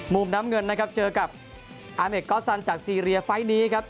มุมน้ำเงินนะครับเจอกับอาเมดก๊อสซันจากซีเรียไฟล์นี้ครับ